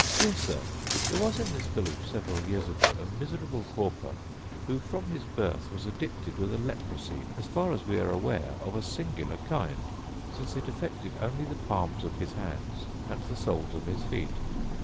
Dear Sir, There was in this village several years ago a miserable pauper, who, from his birth, was addicted with a leprosy, as far as we are aware of a singular kind, since it affected only the palms of his hands and the soles of his feet.